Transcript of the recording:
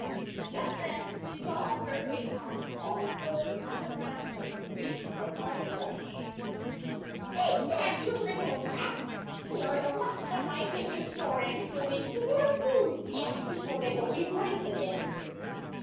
n Just then she saw her acorns all spilled on the ground, and her rage broke out afresh. " Pick them up, you little rats ! They are the last of my winter s store, and it will be four moons yet before they will be ripe again."